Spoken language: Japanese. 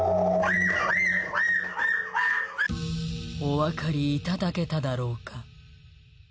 お分かりいただけただろうか？